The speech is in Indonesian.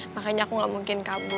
makanya aku gak mungkin kabur